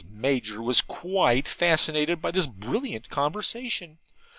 Major was quite fascinated by this brilliant conversation.